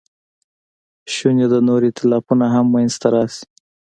شونې ده نور ایتلافونه هم منځ ته راشي.